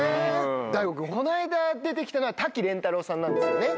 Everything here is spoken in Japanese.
ＤＡＩＧＯ君この間出て来たのは瀧廉太郎さんなんですよね。